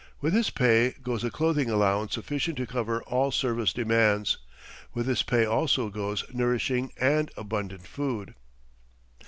With his pay goes a clothing allowance sufficient to cover all service demands; with his pay also goes nourishing and abundant food.